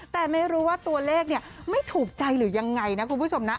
แต่ไม่รู้ว่าตัวเลขไม่ถูกใจหรือยังไงนะคุณผู้ชมนะ